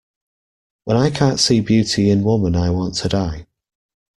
When I can't see beauty in woman I want to die.